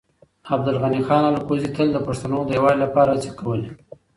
عبدالغني خان الکوزی تل د پښتنو د يووالي لپاره هڅې کولې.